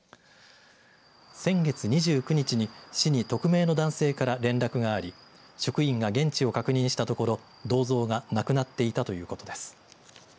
先月２９日に市に匿名の男性から連絡があり職員が現地を確認したところ銅像がなくなっていたということです。